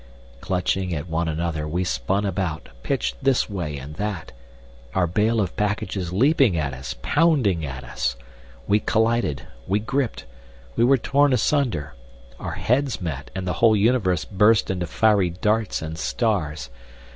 Clutching at one another we spun about, pitched this way and that, our bale of packages leaping at us, pounding at us. We collided, we gripped, we were torn asunder—our heads met, and the whole universe burst into fiery darts and stars!